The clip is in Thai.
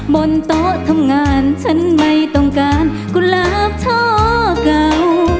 บนโต๊ะทำงานฉันไม่ต้องการกุฬาบเทาเก่า